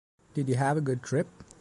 Did you have a good trip?